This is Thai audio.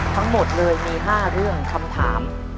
ทั้งหมดเลยมี๕เรื่องคำถาม